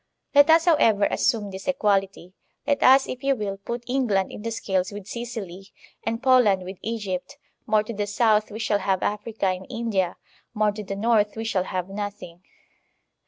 Let us, however, assume this equality; let us, if you will, put England in the scales with Sicily, and Poland with Egypt; more to the south we shall have Africa and India; more to the north we shall have nothing.